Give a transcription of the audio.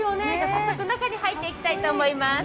早速、中に入っていきたいと思います。